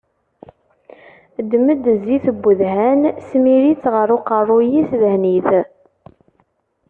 Ddem-d zzit n wedhan, smir-itt ɣef uqerru-is, dhen-it.